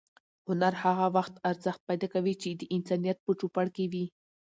هنر هغه وخت ارزښت پیدا کوي چې د انسانیت په چوپړ کې وي.